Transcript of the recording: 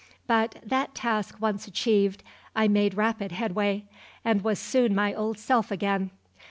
But, that task once achieved, I made rapid headway, and was soon my old self again.